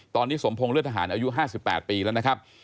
ตอนนี้สมพงษทหารอายุ๕๘ปีแล้วนะครับ